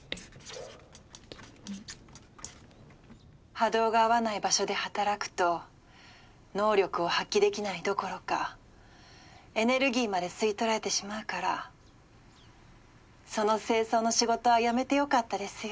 波動が合わない場所で働くと能力を発揮できないどころかエネルギーまで吸い取られてしまうからその清掃の仕事は辞めてよかったですよ。